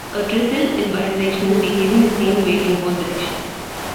A Trisil is bidirectional, behaving the same way in both directions.